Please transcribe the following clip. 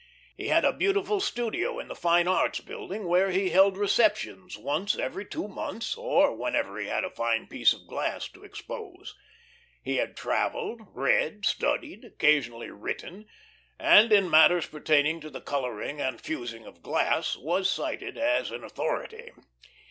He had a beautiful studio in the Fine Arts Building, where he held receptions once every two months, or whenever he had a fine piece of glass to expose. He had travelled, read, studied, occasionally written, and in matters pertaining to the colouring and fusing of glass was cited as an authority.